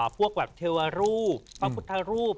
พวกแบบเทวรูปพระพุทธรูป